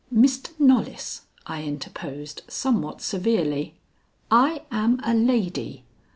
"Mr. Knollys," I interposed somewhat severely, "I am a lady.